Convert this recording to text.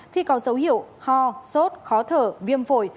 khi có dấu hiệu ho sốt khó thở viêm phổi